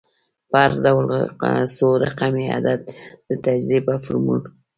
په هر ډول څو رقمي عدد د تجزیې په فورمول